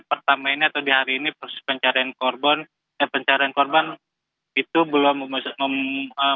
pertama ini atau di hari ini proses pencarian korban pencarian korban itu belum